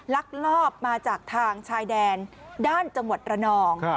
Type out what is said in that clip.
ลักลอบมาจากทางชายแดนด้านจังหวัดระนอง